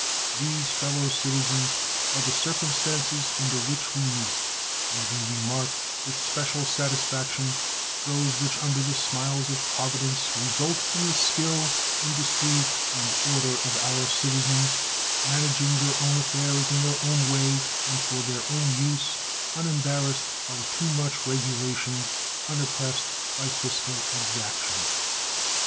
These, fellow citizens, are the circumstances under which we meet, and we remark with special satisfaction those which under the smiles of Providence result from the skill, industry, and order of our citizens, managing their own affairs in their own way and for their own use, unembarrassed by too much regulation, unoppressed by fiscal exactions.